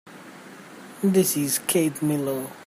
This is Keith Miller.